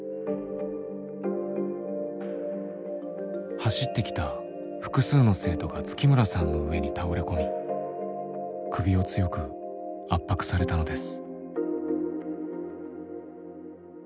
走ってきた複数の生徒が月村さんの上に倒れ込み首を強く圧迫されたのです。